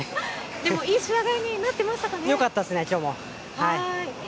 でも、いい仕上がりになっていまあしたかね。